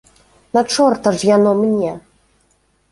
На чорта ж яно мне?